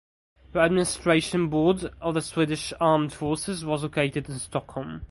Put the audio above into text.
The Administration Board of the Swedish Armed Forces was located in Stockholm.